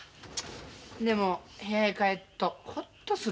でも部屋へ帰っとホッとするのう。